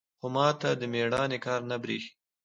خو ما ته د ميړانې کار نه بريښي.